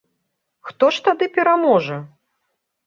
Хто ж тады пераможа?